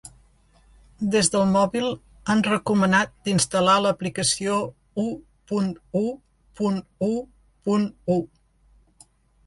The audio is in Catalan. Des del mòbil, han recomanat d’instal·lar l’aplicació u punt u punt u punt u.